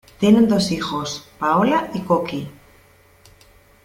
Tienen dos hijos, Paola y Coqui.